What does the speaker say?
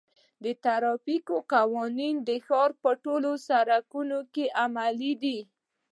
د ترافیک قوانین د ښار په ټولو سړکونو کې عملي دي.